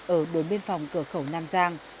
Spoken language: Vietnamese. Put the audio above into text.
ở đồn biên phòng cửa khẩu nam giang